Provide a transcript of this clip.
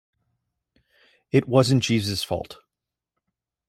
It wasn't Jeeves's fault.